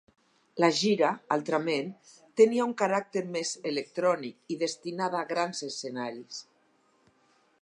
La gira, altrament, tenia un caràcter més electrònic i destinada a grans escenaris.